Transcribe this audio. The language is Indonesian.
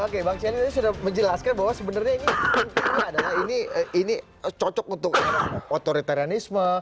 oke bang celi sudah menjelaskan bahwa sebenarnya ini cocok untuk otoritarianisme